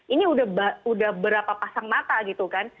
ini udah berapa pasang mata gitu kan